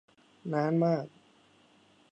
นานมาก